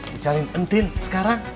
dicariin entin sekarang